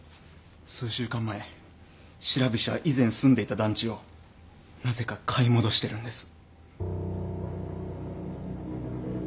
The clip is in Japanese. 数週間前白菱は以前住んでいた団地をなぜか買い戻してるんです。